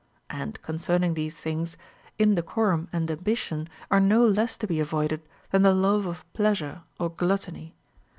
And con cerning these things, indecorum and ambition are no less to be avoided than the love of pleasure or gluttony.